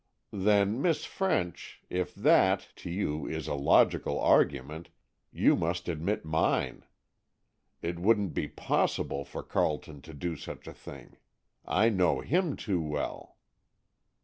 "Then, Miss French, if that, to you, is a logical argument, you must admit mine. It wouldn't be possible for Carleton to do such a thing! I know him too well!"